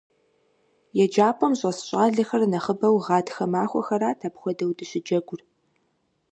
ЕджапӀэм щӏэс щӀалэхэр нэхъыбэу гъатхэ махуэхэрат апхуэдэу дыщыджэгур.